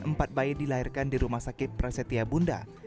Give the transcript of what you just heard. empat bayi dilahirkan di rumah sakit prasetya bunda